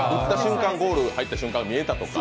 ゴール入った瞬間が見えたとか。